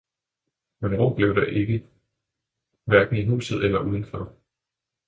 men ro blev der ikke hverken i huset eller udenfor.